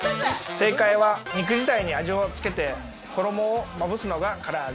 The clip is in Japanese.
正解は肉自体に味をつけて、衣をまぶすのが唐揚げ。